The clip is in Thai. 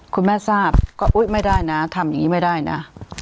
คุณแม่ทราบก็อุ๊ยไม่ได้นะทำอย่างนี้ไม่ได้นะ